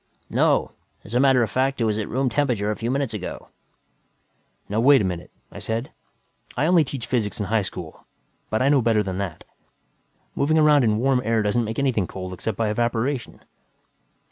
"No. As a matter of fact, it was at room temperature a few minutes ago." "Now wait a minute," I said. "I only teach physics in high school, but I know better than that. Moving around in warm air doesn't make anything cold except by evaporation."